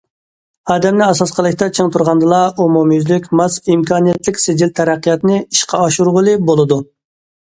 ئادەمنى ئاساس قىلىشتا چىڭ تۇرغاندىلا، ئومۇميۈزلۈك، ماس، ئىمكانىيەتلىك سىجىل تەرەققىياتنى ئىشقا ئاشۇرغىلى بولىدۇ.